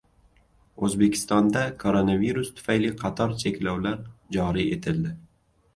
O‘zbekistonda koronavirus tufayli qator cheklovlar joriy etildi